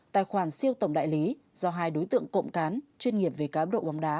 tài khoản siêu tổng đại lý do hai đối tượng cộng cán chuyên nghiệp về cá độ bóng đá